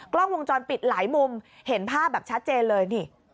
กล้องวงจรปิดหลายมุมเห็นภาพแบบชัดเจนเลยนี่